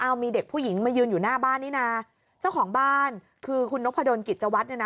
เอามีเด็กผู้หญิงมายืนอยู่หน้าบ้านนี่นะเจ้าของบ้านคือคุณนพดลกิจวัตรเนี่ยนะ